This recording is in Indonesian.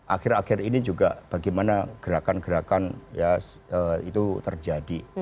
akhir akhir ini juga bagaimana gerakan gerakan ya itu terjadi